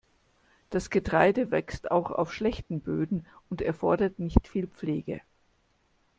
Das Getreide wächst auch auf schlechten Böden und erfordert nicht viel Pflege.